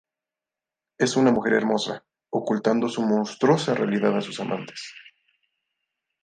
Es una mujer hermosa, ocultando su monstruosa realidad a sus amantes.